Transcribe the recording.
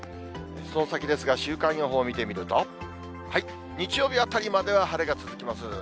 その先ですが、週間予報を見てみると、日曜日あたりまでは晴れが続きます。